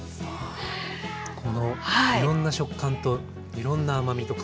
このいろんな食感といろんな甘みと香りと。